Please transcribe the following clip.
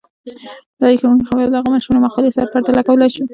دا هيښوونکې خبره له هغې مشهورې مقولې سره پرتله کولای شو.